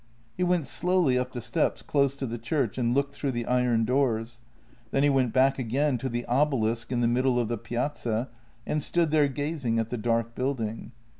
He went slowly up the steps close to the church and looked through the iron doors. Then he went back again to the obelisk in the middle of the piazza and stood there gazing at the dark building.